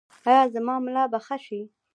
ایا زما ملا به ښه شي؟